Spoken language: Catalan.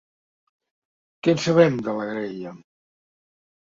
Què en sabem, de la graella?